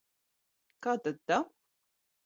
Kā tad tā?